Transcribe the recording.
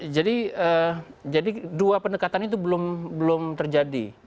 jadi dua pendekatan itu belum terjadi